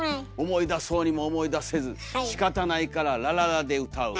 「思いだそうにも思いだせず仕方ないからラララで歌う」。